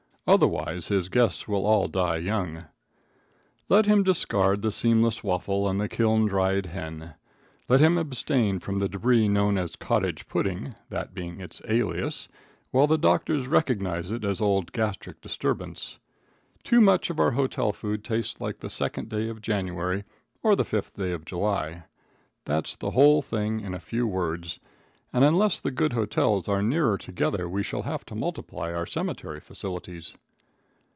Otherwise his guests will all die young. Let him discard the seamless waffle and the kiln dried hen. Let him abstain from the debris known as cottage pudding, that being its alias, while the doctors recognize it as old Gastric Disturbance. Too much of our hotel food tastes like the second day of January or the fifth day of July. That's the whole thing in a few words, and unless the good hotels are nearer together we shall have to multiply our cemetery facilities.